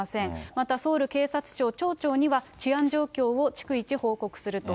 またソウル警察庁庁長には、治安状況を逐一報告すると。